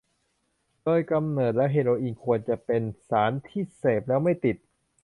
โดยกำเนิดแล้วเฮโรอีนควรจะเป็นสารที่เสพแล้วไม่ติด